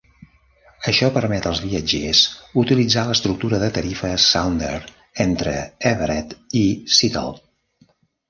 Això permet als viatgers utilitzar l'estructura de tarifes Sounder entre Everett i Seattle.